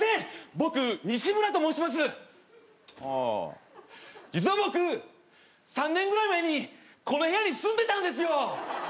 僕西村と申しますああ実は僕３年ぐらい前にこの部屋に住んでたんですよ